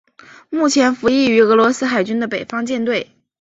目前服役于俄罗斯海军的北方舰队。